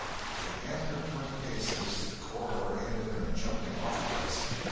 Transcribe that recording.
At the end of twenty steps the corridor ended in a "jumping off place."